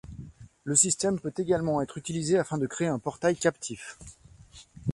Le système peut également être utilisé afin de créer un portail captif.